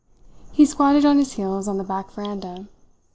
He squatted on his heels on the back veranda.